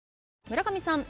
村上さん。